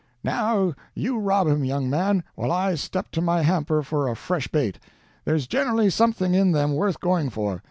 "Now you rob him, young man, while I step to my hamper for a fresh bait. There's generally something in them worth going for.